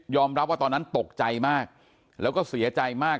รับว่าตอนนั้นตกใจมากแล้วก็เสียใจมาก